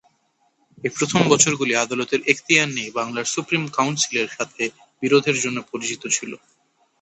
এই প্রথম বছরগুলি আদালতের এখতিয়ার নিয়ে বাংলার সুপ্রিম কাউন্সিলের সাথে বিরোধের জন্য পরিচিত ছিল।